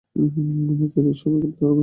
আমাকে এদের সাথেই খেতে হবে।